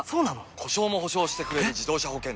故障も補償してくれる自動車保険といえば？